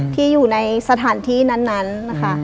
ที่อยู่ในสถานที่นั้นนะคะ